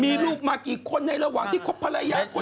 มีลูกมากี่คนในระหว่างที่คบภรรยาคน